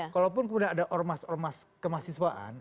kalaupun kemudian ada ormas ormas kemahasiswaan